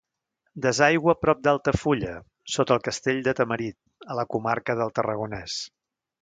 Desaigua prop d'Altafulla, sota el castell de Tamarit, a la comarca del Tarragonès.